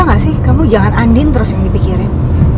gak sih kamu jangan andin terus yang dipikirin